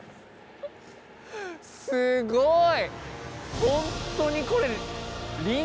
すごい！